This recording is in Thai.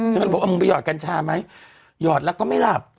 ฉันก็บอกเอามึงไปหอดกัญชาไหมหยอดแล้วก็ไม่หลับ